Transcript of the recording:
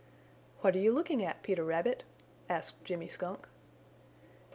"What are you looking at, Peter Rabbit?" asked Jimmy Skunk.